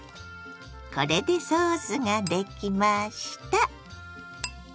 これでソースができました。